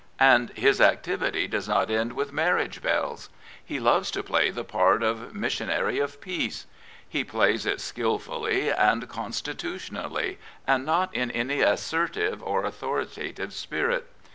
And his activity does not end with marriage bells. He loves to ]^y*the part of missionary of peace. He plays it skilfully and con stitutionally, and not in any assertive or authoritative spirit.